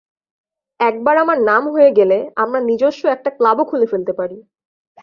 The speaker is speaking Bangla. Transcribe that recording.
একবার আমার নাম হয়ে গেলে, আমরা নিজস্ব একটা ক্লাবও খুলে ফেলতে পারি।